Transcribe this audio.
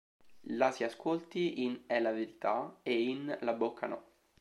La si ascolti in "È la verità" e in "La bocca no".